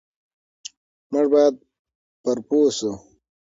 موږ بايد پرې پوه شو.